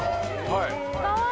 はい。